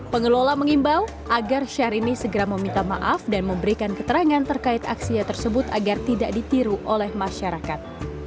pengelola mengimbau agar syahrini segera meminta maaf dan memberikan keterangan terkait aksinya tersebut agar tidak ditiru oleh masyarakat